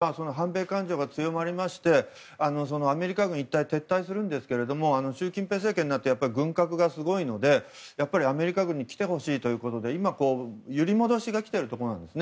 ３０年ほど前にフィリピンは反米感情が強まりましてアメリカ軍がいったん撤退するんですが習近平政権になって軍拡がすごいのでやっぱりアメリカ軍に来てほしいということで揺り戻しが来てるところなんです。